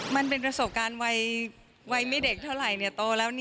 มันเป็นประสบการณ์วัยไม่เด็กเท่าไหร่โตแล้ว